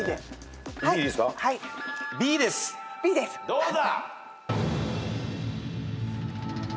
どうだ？